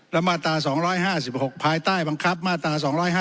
และมาตรา๒๕๖ภายใต้บังคับมาตรา๒๕๖